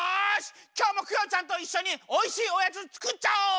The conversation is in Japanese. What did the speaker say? きょうもクヨちゃんといっしょにおいしいおやつつくっちゃおう！